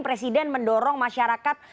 presiden mendorong masyarakat